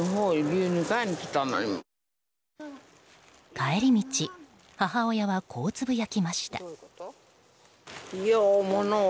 帰り道、母親はこうつぶやきました。